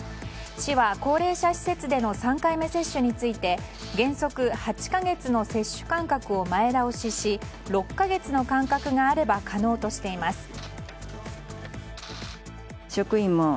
市は高齢者施設での３回目接種について原則８か月の接種間隔を前倒しし、６か月の間隔があれば可能としています。